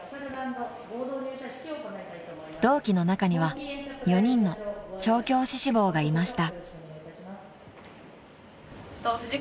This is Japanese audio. ［同期の中には４人の調教師志望がいました］